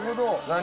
何？